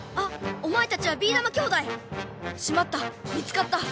おまえたちはビーだま兄弟！しまった見つかった！